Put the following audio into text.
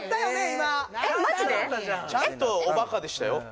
今ちゃんとおバカでしたよ